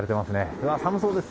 うわ、寒そうです。